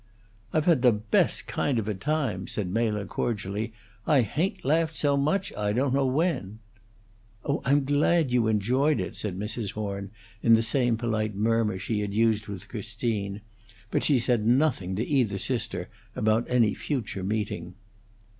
"I've had the best kind of a time," said Mela, cordially. "I hain't laughed so much, I don't know when." "Oh, I'm glad you enjoyed it," said Mrs. Horn, in the same polite murmur she had used with Christine; but she said nothing to either sister about any future meeting.